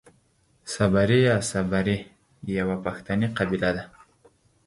صبري يا سبري يوۀ پښتني قبيله ده.